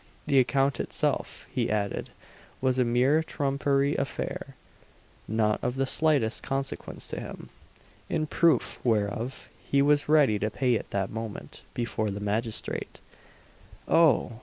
The account itself, he added, was a mere trumpery affair, not of the slightest consequence to him; in proof whereof he was ready to pay it that moment, before the magistrate "Oh!